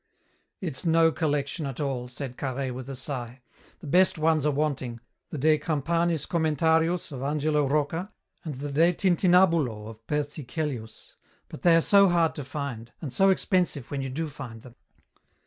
"It's no collection at all," said Carhaix with a sigh. "The best ones are wanting, the De campanis commentarius of Angelo Rocca and the De tintinnabulo of Percichellius, but they are so hard to find, and so expensive when you do find them."